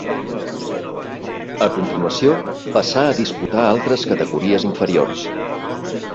A continuació passà a disputar altres categories inferiors.